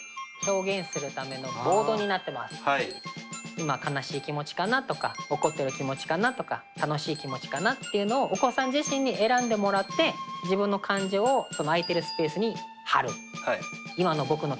今悲しい気持ちかなとか怒っている気持ちかなとか楽しい気持ちかなっていうのをお子さん自身に選んでもらってあっ分かりました。